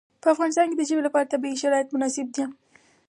په افغانستان کې د ژبې لپاره طبیعي شرایط مناسب دي.